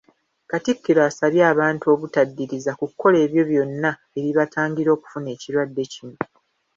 Katikkiro asabye abantu obutaddiriza kukola ebyo byonna ebibatangira okufuna ekirwadde kino.